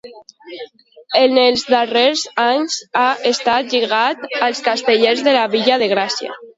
En els darrers anys ha estat lligat als Castellers de la Vila de Gràcia.